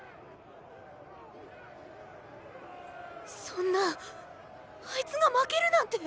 そんなあいつが負けるなんて！